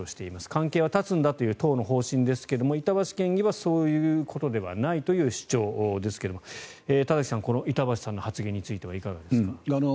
関係は絶つんだという党の方針ですが板橋県議はそういうことではないという主張ですが田崎さんこの板橋さんの発言に関してはいかがですか。